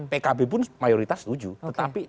pkb pun mayoritas setuju tetapi